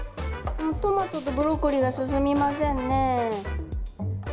トマトとブロッコリーが進みませんね。